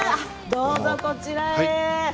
どうぞこちらへ。